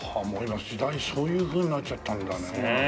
もう時代そういうふうになっちゃったんだね。